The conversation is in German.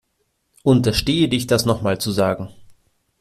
Unterstehe dich das nochmal zu sagen.